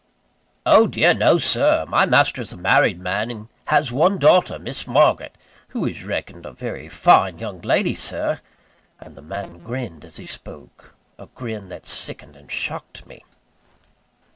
"Oh dear no, Sir! My master is a married man, and has one daughter Miss Margaret who is reckoned a very fine young lady, Sir!" And the man grinned as he spoke a grin that sickened and shocked me.